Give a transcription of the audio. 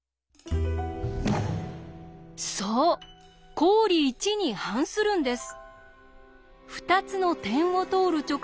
そう公理１に反するんです！